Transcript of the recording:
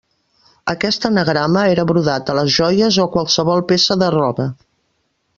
Aquest anagrama era brodat a les joies o a qualsevol peça de roba.